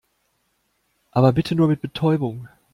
Aber bitte nur mit Betäubung.